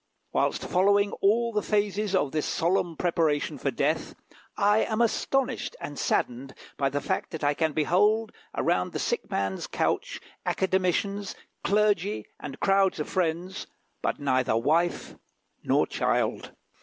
Whilst following all the phases of this solemn preparation for death, I am astonished and saddened by the fact that I can behold around the sick man's couch academicians, clergy, and crowds of friends, but neither wife nor child.